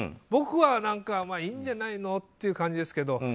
僕はいいんじゃないの？って感じですけど。